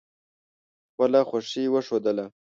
خپله خوښي وښودله.